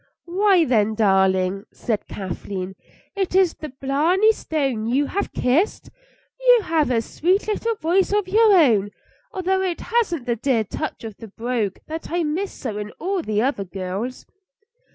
"Why, then, darling," said Kathleen, "is it the Blarney Stone you have kissed? You have a sweet little voice of your own, although it hasn't the dear touch of the brogue that I miss so in all the other girls."